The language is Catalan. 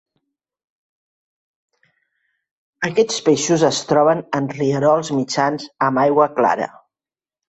Aquests peixos es troben en rierols mitjans amb aigua clara.